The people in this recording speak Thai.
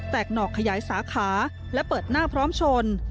หนอกขยายสาขาและเปิดหน้าพร้อมชน